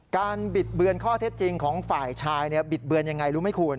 บิดเบือนข้อเท็จจริงของฝ่ายชายบิดเบือนยังไงรู้ไหมคุณ